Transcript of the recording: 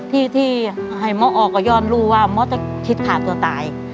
ที่ที่ให้ม้ออกก็ยอดรู้ว่าม้อจะคิดขาดตัวตาย